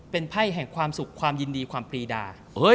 เป็นไพ่แห่งความสุขความยินดีความปรีดา